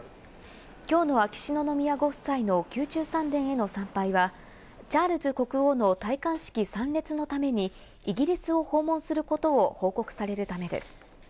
今日の秋篠宮ご夫妻の宮中三殿への参拝は、チャールズ国王の戴冠式参列のためにイギリスを訪問することを報告されるためです。